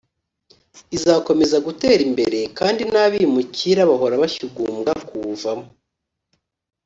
izakomeza gutera imbere kandi n’abimukira bahora bashyugumbwa kuwuvamo